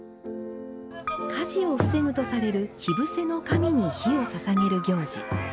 火事を防ぐとされる、火伏せの神に、火を捧げる行事。